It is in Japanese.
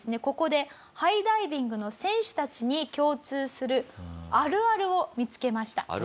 ここでハイダイビングの選手たちに共通するあるあるを見つけました。